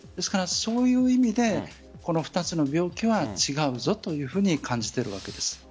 そういう意味でこの２つの病気は違うぞというふうに感じているわけです。